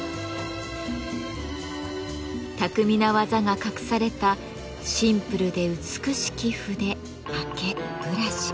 巧みな技が隠されたシンプルで美しき筆刷毛ブラシ。